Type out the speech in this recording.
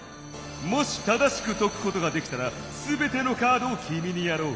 「もし正しくとくことができたらすべてのカードをキミにやろう。